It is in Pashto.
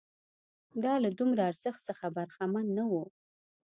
دا له دومره ارزښت څخه برخمن نه وو